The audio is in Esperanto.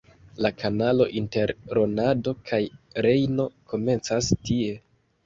La kanalo inter Rodano kaj Rejno komencas tie.